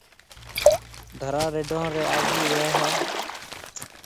ڌراڙ رڍون ري آگھيَََ وي هيَ۔